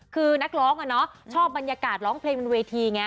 คือนักร้องชอบบรรยากาศร้องเพลงบนเวทีไง